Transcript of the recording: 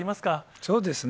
そうですね。